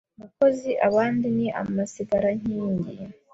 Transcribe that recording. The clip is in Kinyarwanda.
Mukozi abandi ni amasigarankingi